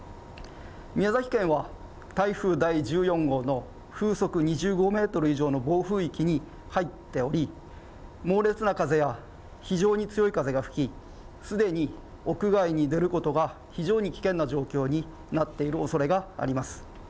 宮崎県は台風第１４号の風速２５メートル以上の暴風域に入っており猛烈な風や非常に強い風が吹きすでに屋外に出ることが非常に危険な状況になっているおそれがあります。